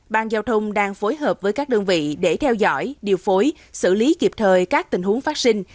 ban giao thông đang phối hợp với các đơn vị để theo dõi điều phối xử lý kịp thời các tình huống phát sinh